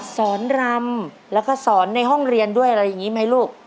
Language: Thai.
สอนรำแล้วก็สอนในห้องเรียนด้วยอะไรอย่างนี้ไหมลูก